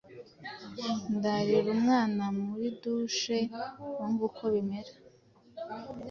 ndarira umwana muri douche numve uko bimera